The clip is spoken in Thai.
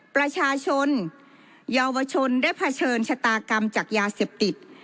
ประชาชนเยาวชนได้เผชิญชะตากรรมจากยาเสพติด